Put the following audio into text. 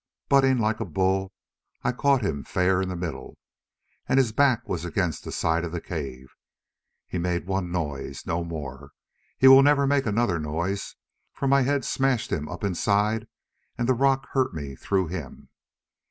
Butting like a bull I caught him fair in the middle, and his back was against the side of the cave. He made one noise, no more; he will never make another noise, for my head smashed him up inside and the rock hurt me through him.